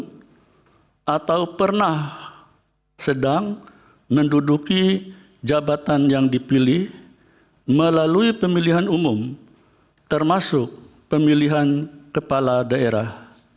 berusia paling rendah empat puluh tahun atau pernah sedang menduduki jabatan yang dipilih melalui pemilihan umum termasuk pemilihan kepala daerah